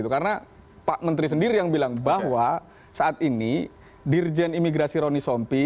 karena pak menteri sendiri yang bilang bahwa saat ini dirjen imigrasi ronny sompi